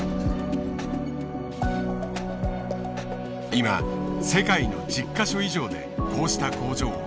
今世界の１０か所以上でこうした工場を建設。